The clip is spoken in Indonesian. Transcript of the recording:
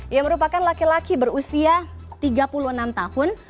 ia merupakan laki laki berusia tiga puluh enam tahun